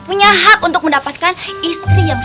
punya hak untuk mendapatkan istri yang